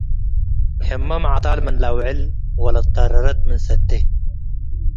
ህመም ዐጣል ምን ለአውዕል ወለትጸረረት ምን ሰ’ቴ